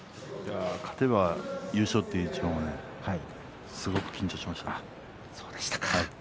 勝てば優勝という一番はすごく緊張します。